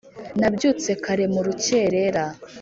Nabyutse kare mu rukerera